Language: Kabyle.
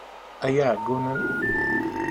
Ay iɛeggunen!